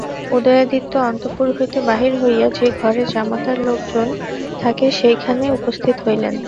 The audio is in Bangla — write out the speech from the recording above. উদয়াদিত্য অন্তঃপুর হইতে বাহির হইয়া যে-ঘরে জামাতার লোকজন থাকে সেইখানে উপস্থিত হইলেন।